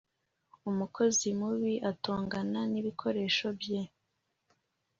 umukozi mubi atongana nibikoresho bye.